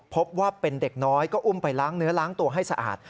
พบว่าเป็นเด็กน้อยก็อุ้มไปล้างเนื้อล้างตัวให้สะอาด